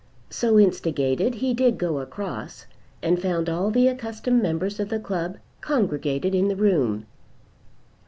So instigated he did go across, and found all the accustomed members of the club congregated in the room.